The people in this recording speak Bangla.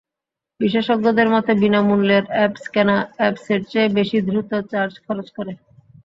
বিশেষজ্ঞদের মতে, বিনা মূল্যের অ্যাপস কেনা অ্যাপসের চেয়ে বেশি দ্রুত চার্জ খরচ করে।